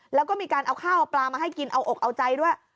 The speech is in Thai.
แล้วก็มีการเอาข้าวเอาปลามาให้กินเอาอกเอาใจด้วย